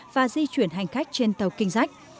và di chuyển hành khách trên tàu king jack